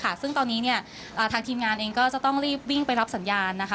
ซึ่งตอนนี้เนี่ยทางทีมงานเองก็จะต้องรีบวิ่งไปรับสัญญาณนะคะ